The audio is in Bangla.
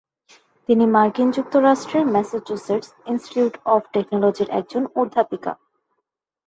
তিনি মার্কিন যুক্তরাষ্ট্রের ম্যাসাচুসেটস ইনস্টিটিউট অভ টেকনোলজির একজন অধ্যাপিকা।